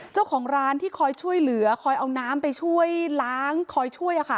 เจ้าของร้านที่คอยช่วยเหลือคอยเอาน้ำไปช่วยล้างคอยช่วย